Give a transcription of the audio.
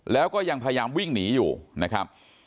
แล้วก็ยังพยายามวิ่งหนีอยู่นะครับ